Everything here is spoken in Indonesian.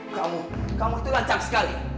kamu kamu itu lancar sekali